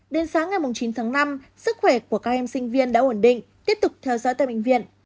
đến sáng ngày chín tháng năm sức khỏe của các em sinh viên đã ổn định tiếp tục theo dõi tại bệnh viện